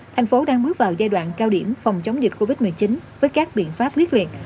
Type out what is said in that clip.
thành phố đang bước vào giai đoạn cao điểm phòng chống dịch covid một mươi chín với các biện pháp quyết liệt